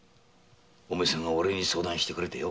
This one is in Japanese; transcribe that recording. お前さんがおれに相談してくれてよ。